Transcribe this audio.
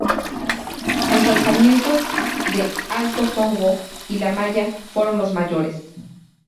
Los alzamientos de Alto Songo y La Maya fueron los mayores.